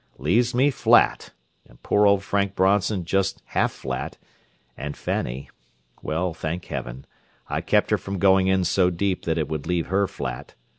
Leaves me flat, and poor old Frank Bronson just half flat, and Fanny—well, thank heaven! I kept her from going in so deep that it would leave her flat.